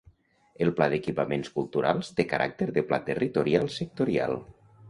El Pla d'Equipaments Culturals té caràcter de Pla Territorial Sectorial.